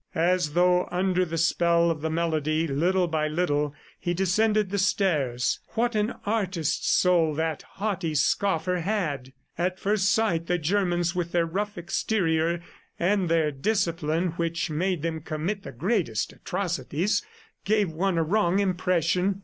... As though under the spell of the melody, little by little, he descended the stairs. What an artist's soul that haughty scoffer had! ... At first sight, the Germans with their rough exterior and their discipline which made them commit the greatest atrocities, gave one a wrong impression.